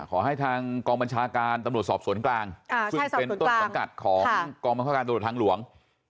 กองบัญชาการตำรวจสอบสวนกลางเป็นต้นต้นกัดของกองบัญชาการตำรวจทางหลวง